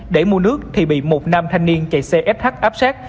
để mua nước thì bị một nam thanh niên chạy xe sh áp sát